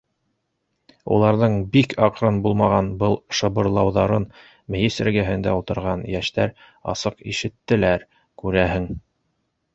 Уларҙың бик аҡрын булмаған был шыбырлауҙарын мейес эргәһендә ултырған йәштәр асыҡ ишеттеләр, күрәһең.